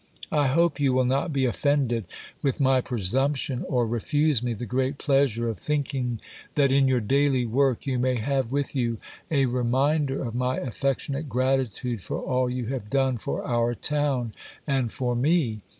I hope you will not be offended with my presumption or refuse me the great pleasure of thinking that in your daily work you may have with you a reminder of my affectionate gratitude for all you have done for our town and for me.